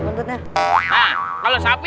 nah kalau sapi